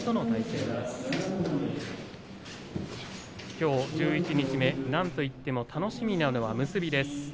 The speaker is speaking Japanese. きょう十一日目、なんといっても楽しみなのは結びです。